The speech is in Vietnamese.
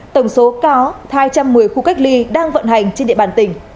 tổng số có hai trăm một mươi khu cách ly đang vận hành trên địa bàn tỉnh